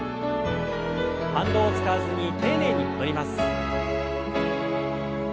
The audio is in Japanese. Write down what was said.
反動を使わずに丁寧に戻ります。